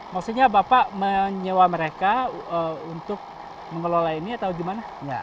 maksudnya bapak menyewa mereka untuk mengelola ini atau gimana